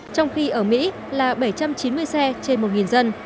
trong khi ở mỹ là bảy trăm chín mươi xe trên một dân